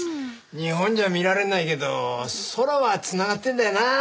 日本じゃ見られないけど空は繋がってるんだよなあ